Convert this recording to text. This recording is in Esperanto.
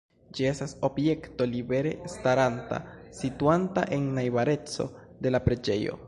Ĝi estas objekto libere staranta, situanta en najbareco de la preĝejo.